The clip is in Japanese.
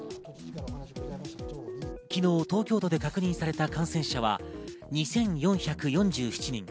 昨日、東京都で確認された感染者は２４４７人。